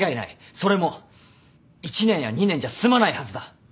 それも１年や２年じゃ済まないはずだ。